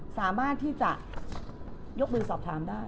สามารถที่จะยกมือสอบถามได้